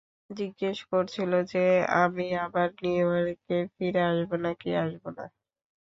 জিজ্ঞেস করছিল যে আমি আবার নিউইয়র্কে ফিরে আসবো নাকি আসবো না।